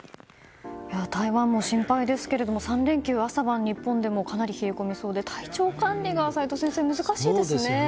台湾も心配ですけども３連休、朝晩が日本でもかなり冷え込みそうで体調管理が齋藤先生難しいですね。